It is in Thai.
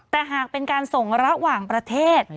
แต่หากเป็นการส่งระหว่างประเทศ